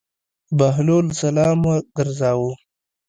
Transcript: بهلول سلام وګرځاوه.